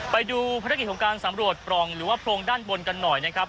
ไปดูภารกิจของการสำรวจปล่องหรือว่าโพรงด้านบนกันหน่อยนะครับ